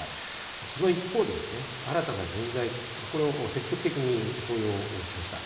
その一方で新たな人材、これを積極的に登用しました。